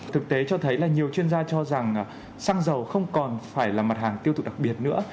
thực tế cho thấy là nhiều chuyên gia cho rằng xăng dầu không còn phải là mặt hàng tiêu thụ đặc biệt nữa